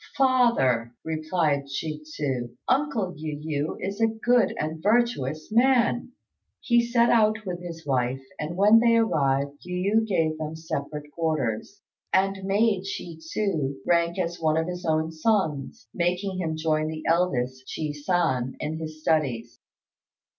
"Father," replied Chi tsu, "uncle Yu yü is a good and virtuous man." He set out with his wife, and when they arrived Yu yü gave them separate quarters, and made Chi tsu rank as one of his own sons, making him join the eldest, Chi san, in his studies.